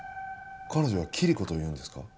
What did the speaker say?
彼女はキリコというんですか？